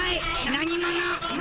何者？